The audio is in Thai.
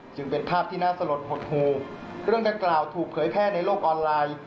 จึงเป็นภาพที่น่าสลดหดหูเรื่องดังกล่าวถูกเผยแพร่ในโลกออนไลน์